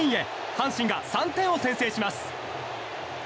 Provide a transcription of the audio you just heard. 阪神が３点を先制します。